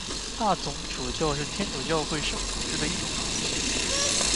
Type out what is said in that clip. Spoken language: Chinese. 大总主教是天主教会圣统制的一种头衔。